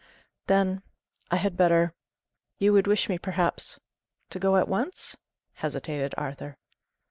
"Then I had better you would wish me, perhaps to go at once?" hesitated Arthur.